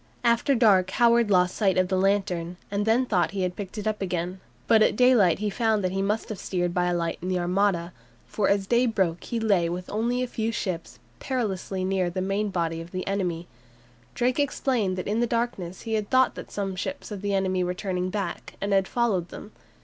After dark Howard lost sight of the lantern, and then thought he had picked it up again, but at daylight he found that he must have steered by a light in the Armada, for as the day broke he lay with only a few ships perilously near the main body of the enemy. Drake explained that in the darkness he had thought that some ships of the enemy were turning back, and had followed them.